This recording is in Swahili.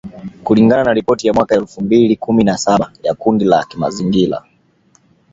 kulingana na ripoti ya mwaka elfu mbili kumi na saba ya kundi la kimazingira